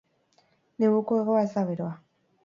Neguko hegoa ez da beroa.